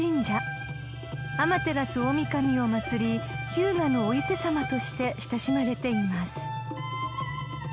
［天照大御神を祭り日向のお伊勢さまとして親しまれています］